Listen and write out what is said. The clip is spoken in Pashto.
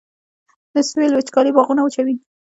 د سویل وچکالي باغونه وچوي